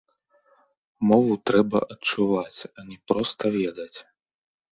Мову трэба адчуваць, а не проста ведаць.